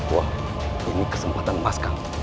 wah ini kesempatan emas kamu